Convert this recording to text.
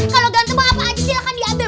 kalau gantung apa aja silahkan diambil